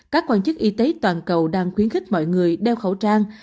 các quan chức y tế toàn cầu đang khuyến khích mọi người đeo khẩu trang